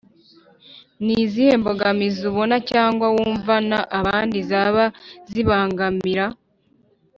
ni izihe mbogamizi ubona cyangwa wumvana abandi zaba zibangamira